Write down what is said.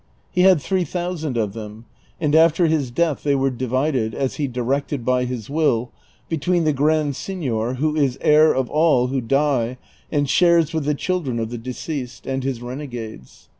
He had three thousand of them, and after his death they were divided, as he directed by his will, between the Grand Signor (who is heir of all who die and shares with the children of the deceased) and his renegades.